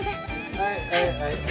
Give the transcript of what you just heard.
はいはいはいはい。